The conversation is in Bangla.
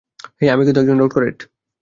হেই, আমি কিন্ত একজন ডক্টরেট।